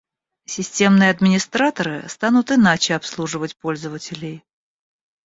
Системные администраторы станут иначе обслуживать пользователей